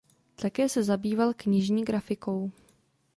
Také se zabýval knižní grafikou.